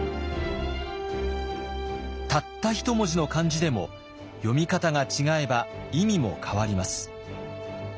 たった一文字の漢字でも読み方が違えば意味も変わります。